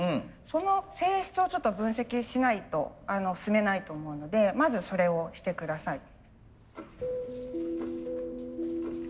その性質をちょっと分析しないと進めないと思うのでまずそれをして下さい。